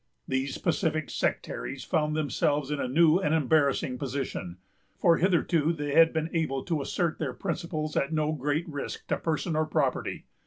These pacific sectaries found themselves in a new and embarrassing position, for hitherto they had been able to assert their principles at no great risk to person or property.